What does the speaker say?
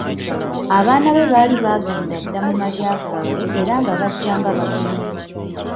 Abaana be baali baagenda dda mu malya gaabwe era nga bajja nga bagenyi.